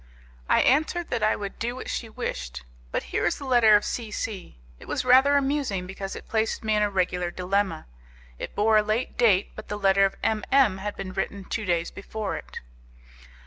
I answered that I would do what she wished. But here is the letter of C C . It was rather amusing, because it placed me in a regular dilemma; it bore a late date, but the letter of M M had been written two days before it.